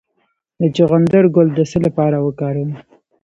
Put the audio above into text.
د چغندر ګل د څه لپاره وکاروم؟